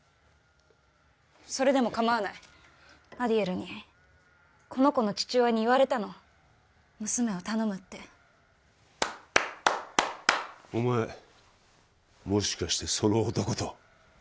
それでもかまわないアディエルにこの子の父親に言われたの「娘を頼む」ってお前もしかしてその男と？